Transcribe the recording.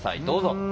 どうぞ。